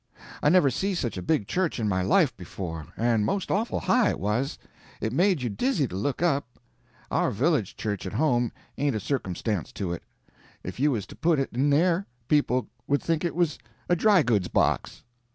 I never see such a big church in my life before, and most awful high, it was; it made you dizzy to look up; our village church at home ain't a circumstance to it; if you was to put it in there, people would think it was a drygoods box.